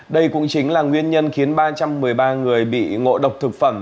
đây cũng chính là nguyên nhân khiến ba trăm một mươi ba người bị ngộ độc thực phẩm